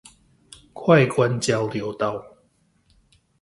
快官交流道